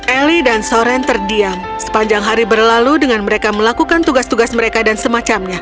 eli dan soren terdiam sepanjang hari berlalu dengan mereka melakukan tugas tugas mereka dan semacamnya